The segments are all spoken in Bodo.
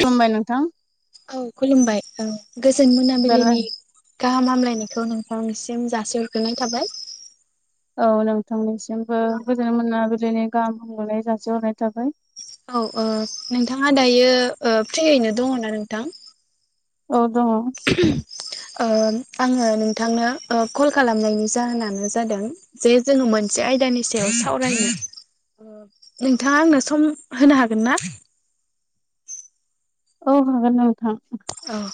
खुलुमबाय नोंथां औ खुलुमबाय औ गोजोन बेला मोनाबिलिनि गाहाम हामलायनायखौ नोंथांनिसिम जासिहरग्रोनाय थाबाय औ नोंथांनिसिमबो औ गोजोन मोनाबिलिनि गाहाम हामलायनाय जासिहरनाय थाबाय औ ओ नोंथाङा दायो फ्रियैनो दङना नोंथां औ दङ आङो नोंथांनो कल खालामनायनि जाहोनानो जादों जे जोङो मोनसे आयदानि सायाव सावरायनो नोंथाङा आंनो सम होनो हागोन ना औ हागोन नोंथां औ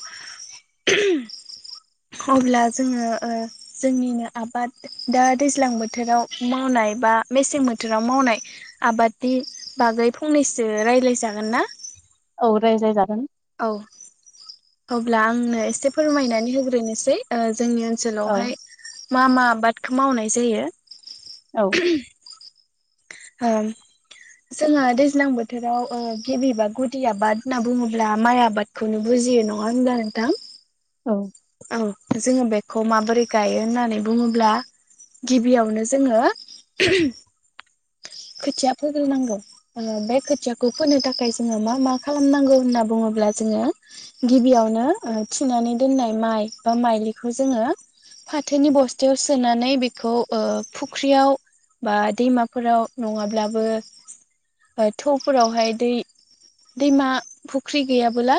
अब्ला जोङो ओ जोंनिनो आबाद दा दैज्लां बोथोराव मावनाय बा मेसें बोथोराव मावनाय आबादनि बागै फंनैसो रायलाय जागोन ना? औ रायज्लायजागोन। औ अब्ला आंनो एसे फोरमायनानै होग्रोनोसै ओ जोंनि ओन औ सोलावहाय मा मा आबादखौ मावनाय जायो औ ओं जोङो दैज्लां बोथोराव गिबिबा गुदि आबाद होनना बुङोब्ला माइ आबाद खौनो बुजियो नङा होनबा नोंथां? औ औ जोङो बेखौ माबोरै गायो होननानै बुङोब्ला गिबियावनो जोङो खोथिया फोग्रोनांगौ। बे खोथियाखौ फोनो थाखाय जोङो मा मा खालामनांगौ होनना बुङोब्ला जोङो गिबियावनो थिनानै दोननाय माइ बा माइलिखौ जोङो फाथोनि बस्थायाव सोनानै बेखौ फुख्रियाव बा दैमाफोराव नङाब्लाबो थौफोरावहाय दै दैमा फुख्रि गैयाबोला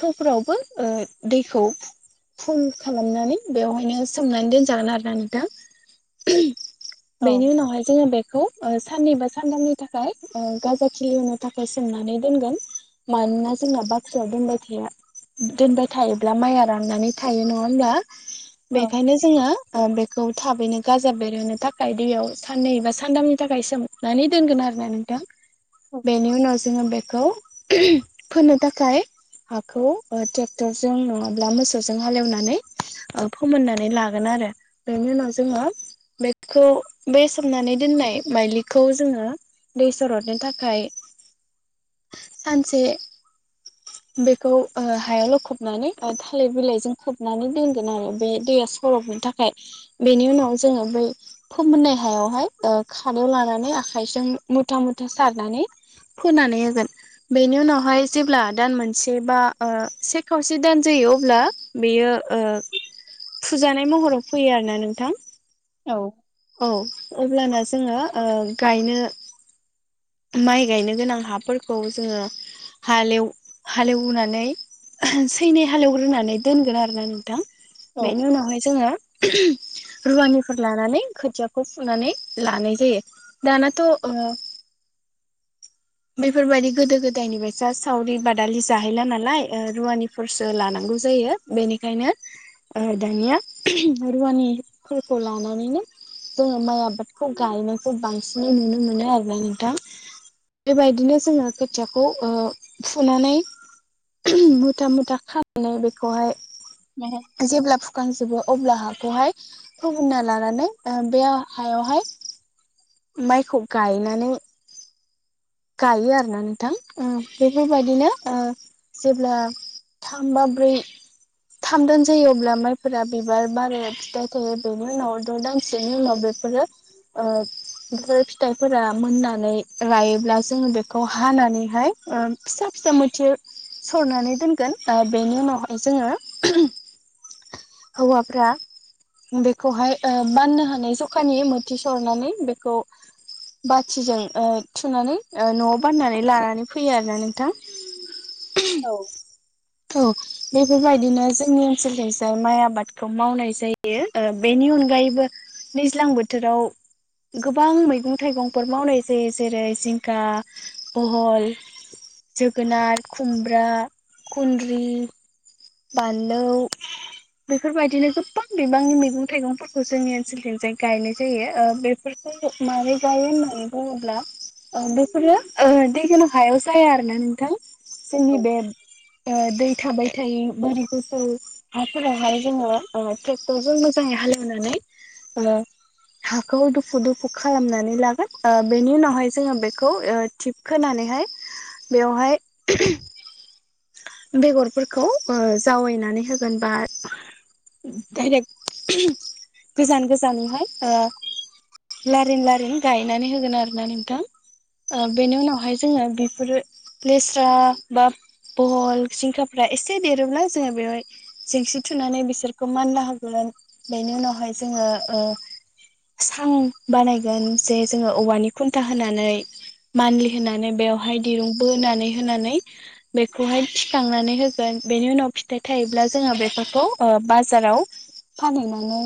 थौफोरावबो दै खौ फुल खालामनानै बेवहायनो सोमनानै दोनजागोन आरोना नोंथां। औ बेनि नाहाय जोङो बेख खौ साननि बा सानथामनि थाखाय गाजा खिलिनो थाखाय सोमनानै दोनगोन। मानोना जोंना बख्रियाव दोनबाय था दोनबाय थायो ब्ला माइआ राननानै थायो नङा हब्ला औ बेखायनो जोङो बेखौ थाबैनो गाजा बेरहोनो थाखाय दैयाव साननै बा सानथामनि थाखाय सोम नानै दोनगोन आरोना नोंथां औ बेनि उनाव जो जोङो बेखौ फोनो थाखाय हाखौ ट्रेक्टर जों नङाब्ला मोसौजों हालेवनानै फोमोननानै लागोन आरो। बेनि उनाव जोङो बेखौ बे सोमनानै दोननाय माइलिखौ जोङो दै सरदनो थाखाय सानसे बेखौ हायाव लखब नानै थालिर बिलाइजों खोबनानै दोनगोन आरो बे दैया सरबनि थाखाय। बेनि उनाव जोङो बै फोमोननाय हायावहाय ओ खादायाव लानानै आखायजों मुथा मुथा सारनानै फोननानै होगोन बेनि उनावहाय जेब्ला दान मोनसे बा से खावसे दान जायो अब्ला बेयो फुजानाय महराव फैयो आरो ना नोंथां। औ औ अब्लाना जोङो गायनो माइ गायनो गोनां हाफोरखौ जोङो हालेव हालेवनानै। सैनै हालेवग्रोनानै दोनगोन आरोना नोंथां बेनि उनावहाय जोङो रुवानिफोर लानानै खोथियाखौ फुनानै लानाय जायो। दानाथ' ओ बेफोरबायदि गोदो गोदायनिफ्रायसा सावरि बादालि जाहैला नालाय ओ रुवानिफोरसो लानांगौ जायो बेनिखायनो ओ दानिया रुवानिफोरखौ लानानैनो जोङो माइ आबादखौ गायनायखौ बांसिनै नुनो मोनो आरो ना नोंथां। बेबायदिनो जोङो खोथियाखौ ओ फुनानै मु मुथा मुथा खानानै बेखौहाय [unintelligible] जेब्ला फुखांजोबो अब्ला हाखौहाय फुबुंना लानानै ओ बेयाव हायावहाय माइखौ गायनानै गायो आरो ना नोंथां ओम बेफोरबायदिनो ओ जेब्ला थाम बा ब्रै थाम दान जायो अब्ला माइफोरा बिबार बाराया फिथाइ थायो। बेनि उनाव द‌ दानसेनि उनाव बे फोरो ओ इफोर फिथायफोरा मोननानै रायोब्ला जोङो बेखौ हानानैहाय ओ फिसा फिसा मोथिर सरनानै दोनगोन ओ बेनि उनावहाय जोङो हौवाफ्रा बेखौहाय ओ बाननो हानाय जखानि मोथि सरनानै बेखौ बाथिजों ओ थुनानै ओ न'आव बाननानै लानानै फैयो आरो ना नोंथां। [inaudible] औ। टु बेफोर बायदिनो जोंनि ओनसोलखैजाय माइ आबादखौ मावनाय जायो। ओ बेनि अनगायैबो दैज्लां बोथोराव गोबां मैगं थाइगंफोर मावनाय जायो। जेरै जिंखा, बहल जोगोनार, खुमब्रा, खुन्द्रि, बानलौ बेफोरबायदिनो गोबां बिबांनि मैगं थाइगंफोरखौ जोंनि ओनसोल थिंजाय गायनाय जायो। ओ बे फोरखौ मारै गायो होन्नानै बुङोब्ला ओ बेफोरो ओ दै गोनां हायाव जाया आरो ना नोंथां। जोंनि बे ओ दै थाबाय थायै बोरि गोजौ फोरावहाय जोङो ओ टेक्टरजों मोजाङै हालौनानै ओ हाखौ दुफु दुफु खालामनानै लागोन। ओ बेनि उनावहाय जोङो बेखौ ओ टिप खोनानैहाय बेवहाय बेगरफोरखौ ओ जावायनानै होगोन बा डायरेक्ट गोजान गोजानावहाय ओ लारिन लारिन गायनानै होगोन आरो ना नोंथां। ओ बेनि उनावहाय जोङो बेफोरो लेस्रा बा बहल जिंखाफ्रा एसे देरोब्ला जोङो बेवहाय जेंसि थुनानै बिसोरखौ मानला होगोन। बेनि उनावहाय जोङो ओ सां बानायगोन जे जोङो औवानि खुन्था होनानै मानलि होनानै बेवहाय दिरुं बोनानै होनानै बेखौहाय थिखांनानै होगोन। बेनि उनाव फिथाइ थायोब्ला जोङो बेफोर खौ ओ बाजाराव फानहैनानै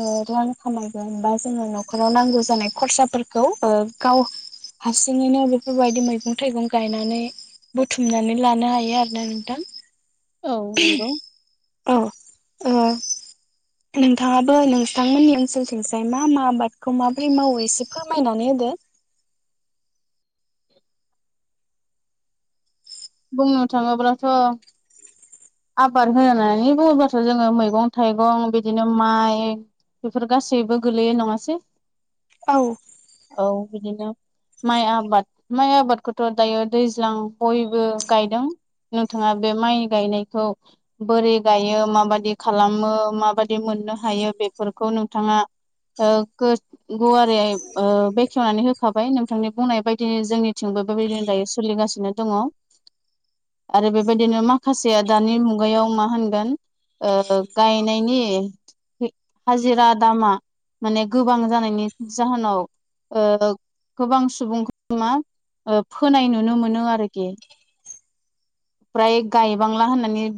ओ रां खामायगोन। बा जोङो न'खराव नांगौ जानाय खरसाफोर खौ ओ गाव हारसिङैनो बेफोरबायदि मैगं थाइगं गायनानै बुथुमनानै लानो हायो आरोना नोंथां। औ नंगौ। औ ओ नोंथाङाबो नोंसांमोननि ओनसोलथिंसाय मा मा आबादखौ माबोरै मावो एसे फोरमायनानै होदो। [inaudible] बुंनो थाङोब्लाथ' आबार होननानै बुङोबाथ' जोङो मैगं थाइगं बिदिनो माइ बेफोर गासैबो गोलैयो नङासै? औ। औ, बिदिनो माइ आबाद माइ आबादखौथ' दायो दैज्लां बयबो गायदों। नोंथाङा बे माइ गायनायखौ बोरै गायो माबादि खालामो माबादि मोननो हायो बेफोरखौ नोंथाङा ओ गो गुवारैहाय ओ बेखेवनानै होखाबाय। नोंथांनि बुंनाय बायदिनो जोंनिथिंबो बेबायदिनो दायो सोलिगासि नो दङ'। [inaudible] आरो बेबायदिनो माखासेया दानि मुगायाव मा होनगोन ओ गायनायनि हाजिरा दामा माने गोबां जानायनि जाहोनाव ओ गोबां सुबुं मा ओ फोनाय नुनो मोनो आरोखि फ्राय गायबांला होन माने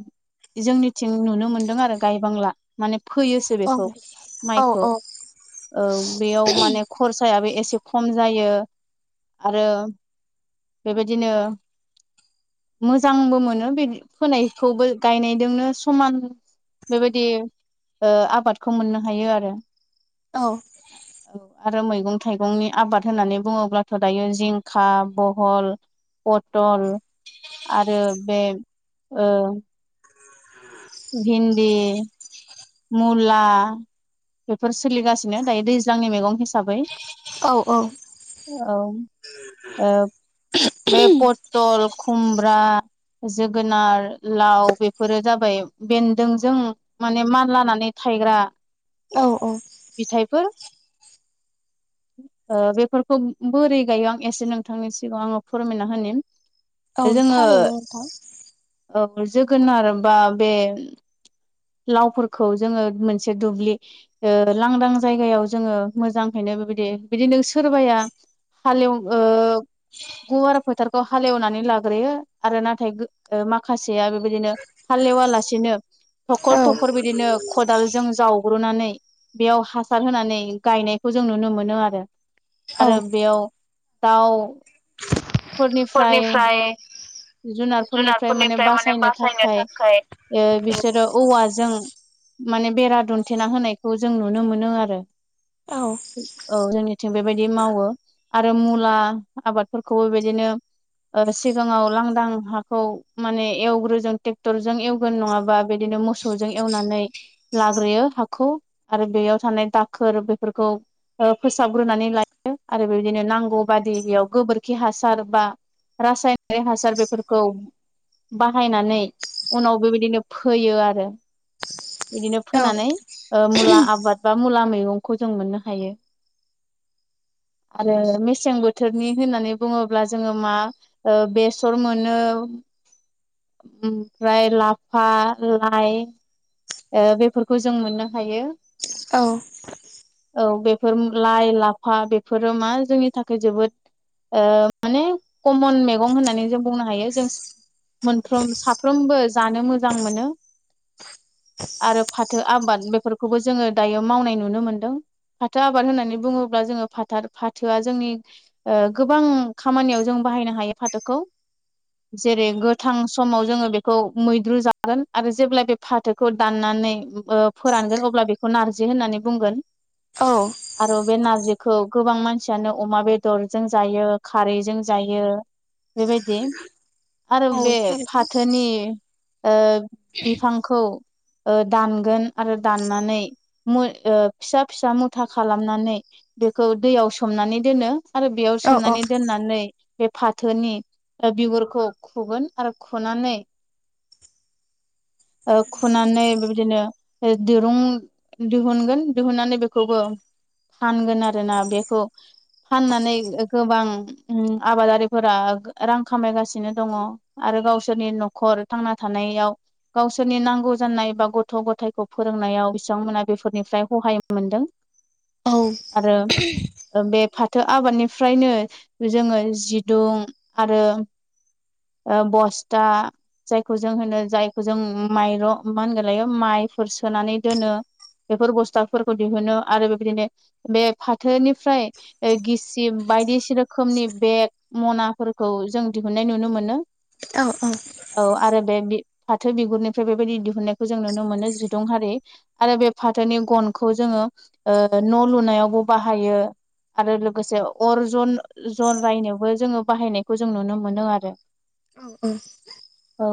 जोंनिथिं नुनो मोनदों आरो गायबांला माने फोयो सो औ बेखौ माइखौ औ बेयाव माने खरसायाबो एसे खम जायो। आरो बेबायदिनो मोजांबो मोनो बे फोनायखौबो गायनायजोंनो समान बेबायदि ओ आबादखौ मोननो हायो आरो औ औ आरो मैगं-थाइगंनि आबाद होननानै बुङोब्लाथ' दायो जिंखा, बहल पटल आरो बे ओं भिन्दि मुला बेफोर सोलिगासिनो दायो दैज्लांनि मैगं हिसाबै औ औ औ ओ बे प टल, खुमब्रा, जोगोनार, लाव बेफोरो जाबाय बेन्दों जों माने मान लानानै थायग्रा औ औ फिथाइफोर [inaudible] ओ बेफोरखौ बोरै गायो आं एसे नोंथांनि सिगाङाव आङो फोरमायना होनि औ जोङो थारैनो नोंथां औ जोगोनार बा बे लावफोरखौ जोङो मोनसे दुब्लि ओ लांदां जायगायाव जोङो मोजांहैनो बेबायदि बिदिनो सोरबाया हालेउ ओ गुवार फोथारखौ हालेवनानै लाग्रोयो आरो नाथाय ओ माखासेया बेबायदिनो हालेवा लासेनो औ थखर थखर बिदिनो खदालजों जावग्रोननानै बेयाव हासार होनानै गायनायखौ जों नुनो मोनो आरो औ आरो बेयाव दाउ फोरनिफ्राय जुनारफोरनिफ्राय माने बासायनो थाखाय ओ बिसोरो औवाजों माने बेरा दोनथेना होनायखौ जों नुनो मोनो आरो औ औ जोंनिथिं बेबायदि मावो आरो मुला आबादफोरखौबो बेबायदिनो ओ सिगाङाव लांदां हाखौ माने एवग्रो जों ट्रेक्टरजों एवग्रोन नङाबा बिदिनो मोसौजों एवनानै लाग्रोयो हाखौ आरो बेयाव थानाय दाखोर बेफोरखौ ओ फोसाबग्रोनानै लायो आरो बेदिनो नांगौ बादि बेयाव गोबोरखि हासार बा रासायनायारि हासार बेफोरखौ बाहायनानै उनाव बेबायदिनो फोयो आरो बिदिनो औ फोनानै ओ मुला आबाद बा मुला मैगंखौ जों मोननो हायो। आरो मेसें बोथोरनि होननानै बुङोब्ला जोङो मा ओ बेसर मोनो। ओमफ्राय लाफा-लाइ बेफोरखौ जों मोननो हायो। औ औ बेफोर लाइ लाफा बेफोरो मा जोंनि थाखाय जोबोद माने कमन मैगं होननानै जों बुंनो हायो जों मोनफ्रोम साफ्रोमबो जानो मोजां मोनो। आरो फाथो आबाद बेफोरखौबो जोङो दायो मावनाय नुनो मोनदों फाथो आबाद होननानै बुङोब्ला जोङो फाथो फाथोआ जोंनि ओ गोबां खामानियाव जों बाहायनो हायो फाथोखौ जेरै गोथां समाव जोङो बेखौ मैद्रु जागोन आरो जेब्ला बे फा फाथोखौ दाननानै फोरानगोन अब्ला बेखौ नारजि होननानै बुंगोन औ आरो बे नारजिखौ गोबां मानसियानो अमा बेदरजों जायो खारैजों जायो बेबायदि आरो औ बे थारैनो फाथोनि बिफां खौ दानगोन आरो दाननानै मै फिसा फिसा मुथा खालामनानै बेखौ दैयाव सोमनानै दोनो आरो बेयाव औ औ सोमनानै दोननानै बे फा थोनि बिगुरखौ खगोन आरो खुनानै [inaudible] खुनानै बेबायदिनो दिरुं दिहुनगोन दिहुननानै बेखौबो फानगोन आरो ना बेखौ फाननानै गोबां आबादारि फोरा रां खामायगासिनो दङ आरो गावसोरनि न'खर थांना थानायाव गावसोरनि नांगौ जानाय बा गथ' गथाइखौ फोरोंनायाव बिथांमोना बेफोरनिफ्राय सहाय मोनदों [inaudible] आरो बे फाथो आबादनिफ्रायनो जोङो जि गुदुं आरो ओ बस्था जायखौ जों होनो जायखौ जों माइरं मा होनग लायो माइफोर सोनानै दोनो बेफोर बस्थाफोरखौ दिहुनो आरो बेबायदिनो बे फाथोनिफ्राय गिसि बायदिसि रोखोमनि बेग मनाफोरखौ जों दिहुननाय नुनो मोनो औ औ औ आरो बे फाथो बिगुरनिफ्राय बेबायदि दिहुननायखौ जों नुनो मोनो जिदुंहारि आरो बे फाथोनि गनखौ जोङो न' लुनायावबो बाहायो आरो लोगोसे अर जन जन रायनो बो जोङो बाहायनायखौ जों नुनो मोनो आरो औ औ औ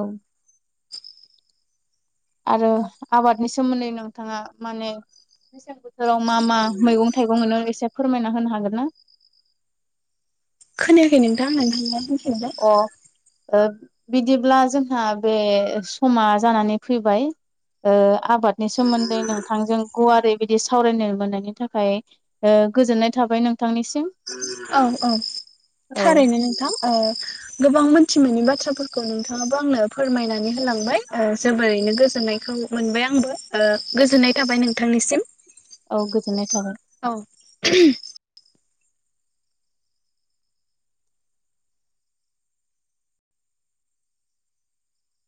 आरो आबादनि सोमोन्दै नोंथाङा माने मेसें बोथोराव मा मा मैगं थाइगं मोनो एसे फोरमायना होनो हागोन ना? खोनायाखै नोंथां होनफिनलाय होनफिनलाय थ' बिदिब्ला जोंहा बे समा जानानै फैबाय। आबादनि सोमोन्दै नोंथांजों गुवारै बिदि सावरायनो मोननायनि थाखाय गोजोननाय थाबाय नोंथांनिसिम औ औ औ थारैनो नोंथां गोबां मोनथि मोननि बाथ्राफोरखौ नोंथाङाबो आंनो फोरमायनानै होलांबाय जोबोरैनो गोजोननायखौ मोनबाय आंबो गोजोननाय थाबाय नोंथांनिसिम औ गोजोननाय थाबाय औ